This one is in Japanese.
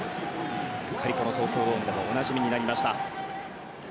すっかりこの東京ドームでもおなじみになりました。